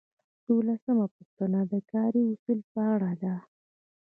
دولسمه پوښتنه د کاري اصولو په اړه ده.